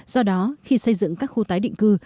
do đó khi xây dựng các khu tái định cư